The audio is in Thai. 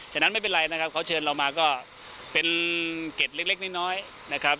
ฉะนั้นไม่เป็นไรนะครับเขาเชิญเรามาก็เป็นเกร็ดเล็กน้อยนะครับ